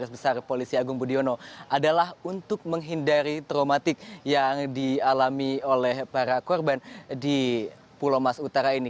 besar polisi agung budiono adalah untuk menghindari traumatik yang dialami oleh para korban di pulau mas utara ini